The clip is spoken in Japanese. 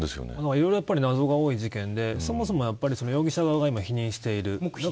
いろいろ謎が多い事件でそもそも容疑者側が黙秘している。